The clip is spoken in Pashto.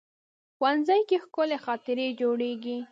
ښوونځی کې ښکلي خاطرې جوړېږي